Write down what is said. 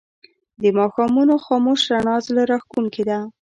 د ماښامونو خاموش رڼا زړه راښکونکې ده